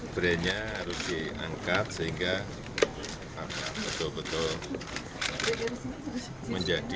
brand nya harus diangkat sehingga betul betul menjadi sebuah tempat yang wajib untuk diunjungi